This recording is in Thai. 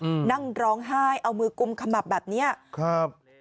อืมนั่งร้องไห้เอามือกุมขมับแบบเนี้ยครับ